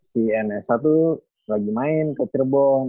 di nsa tuh lagi main ke cirebon